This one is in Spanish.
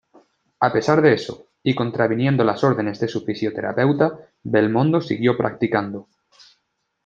A pesar de eso y contraviniendo las órdenes de su fisioterapeuta, Belmondo siguió practicando.